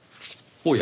おや？